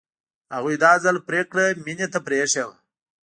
هغوی دا ځل پرېکړه مينې ته پرېښې وه